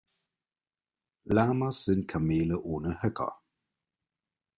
Lamas sind Kamele ohne Höcker.